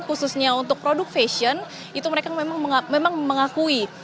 khususnya untuk produk fashion itu mereka memang mengakui